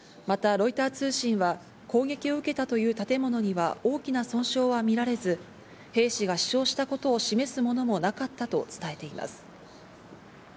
またロイター通信は、攻撃を受けたという建物には大きな損傷は見られず、兵士が死傷したことを示すものもなかったと伝えています。